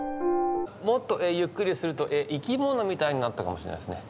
もっとゆっくりにすると生き物みたいになったかもしれないですね。